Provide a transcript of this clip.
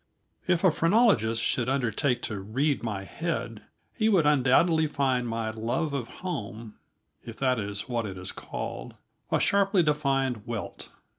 If a phrenologist should undertake to "read" my head, he would undoubtedly find my love of home if that is what it is called a sharply defined welt.